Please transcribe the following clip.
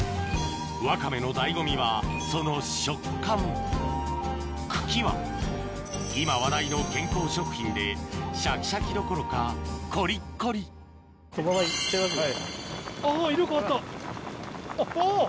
ワカメの醍醐味はその食感茎は今話題の健康食品でシャキシャキどころかコリッコリこのまま行っちゃいますね。